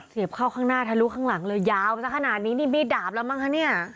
เข้าข้างหน้าทะลุข้างหลังเลยยาวไปสักขนาดนี้นี่มีดดาบแล้วมั้งคะเนี่ย